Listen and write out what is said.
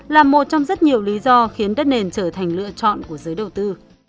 là một trong rất nhiều lý do khiến đất nền trở thành lựa chọn của giới đầu tư